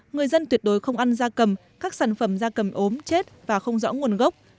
người dân tuyệt đối không ăn da cầm các sản phẩm da cầm ốm chết và không rõ nguồn gốc